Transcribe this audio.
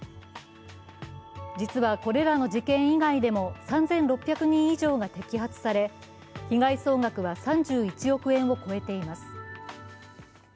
実は、これらの事件以外でも３６００人以上が摘発され被害総額は３１億円を超えています。